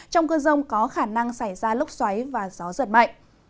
trong cơn rông có khả năng xảy ra lốc xoáy và gió giật mạnh